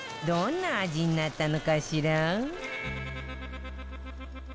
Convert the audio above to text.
どんな味になったのかしら？